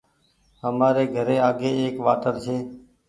همآري گھري آگي ايڪ واٽر ڇي